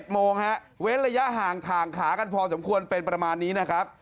โมงฮะเว้นระยะห่างถ่างขากันพอสมควรเป็นประมาณนี้นะครับ